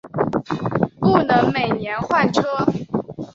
不能每年换车